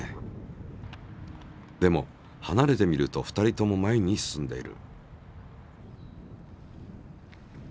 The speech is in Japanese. でもはなれて見ると２人とも前に進んでいる。